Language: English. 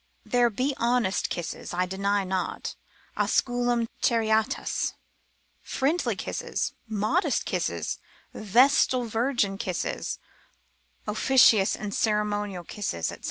There be honest kisses, I deny not, osculum charitatis, friendly kisses, modest kisses, vestal virgin kisses, officious and ceremonial kisses, &c.